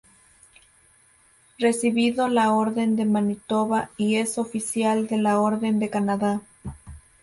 Recibido la Orden de Manitoba y es Oficial de la Orden de Canadá.